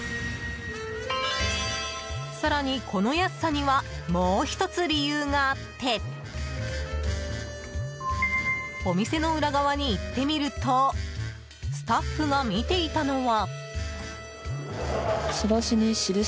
更に、この安さにはもう１つ理由があってお店の裏側に行ってみるとスタッフが見ていたのは。